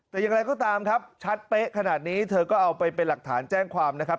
แต่อย่างไรก็ตามครับชัดเป๊ะขนาดนี้เธอก็เอาไปเป็นหลักฐานแจ้งความนะครับ